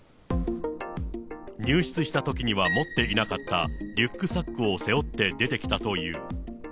入室したときには持っていなかったリュックサックを背負って出てきたという。